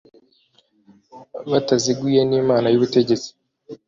butaziguye n inama y ubutegetsi